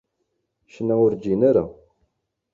Ccna, ur ǧǧin ara.